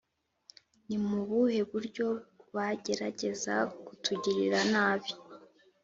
Ni mu buhe buryo bagerageza kutugirira nabi?